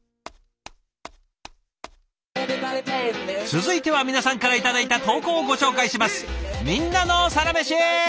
続いては皆さんから頂いた投稿をご紹介します。